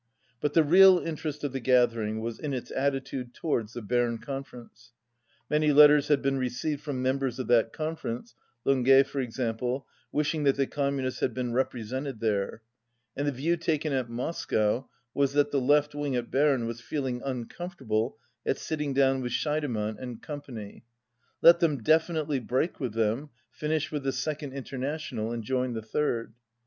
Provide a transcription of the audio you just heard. But the real interest of the gathering was in its attitude towards the Berne conference. Many letters had been received from members of that conference, Longuet for example, wishing that the Communists had been represented there, and the view taken at Moscow was that the left wing at Berne was feeling uncomfortable at sitting down with Scheidemann and Company; let them defi nitely break with them, finish with the Second International and join the Third.